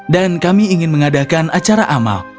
dan kami ingin mengadakan acara amal